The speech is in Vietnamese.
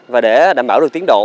và để đảm bảo được tiến độ